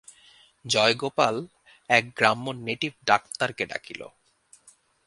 জয়গোপাল এক গ্রাম্য নেটিভ ডাক্তারকে ডাকিল।